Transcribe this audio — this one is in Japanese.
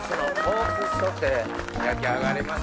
焼き上がりました。